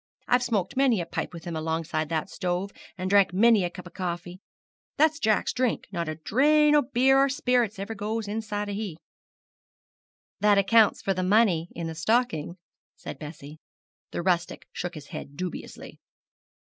I've smoked many a pipe with him alongside that stove, and drank many a cup o' coffee. That's Jack's drink not a drain o' beer or sperrits ever goes inside o' he.' 'That accounts for the money in the stocking,' said Bessie. The rustic shook his head dubiously.